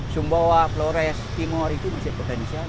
sumbawa flores timur itu masih potensial